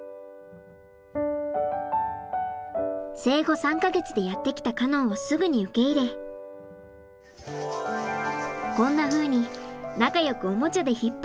生後３か月でやって来たカノンをすぐに受け入れこんなふうに仲よくオモチャで引っ張り合いっこをしていました。